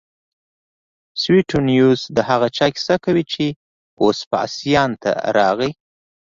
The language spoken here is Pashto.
سویټونیوس د هغه چا کیسه کوي چې وسپاسیان ته راغی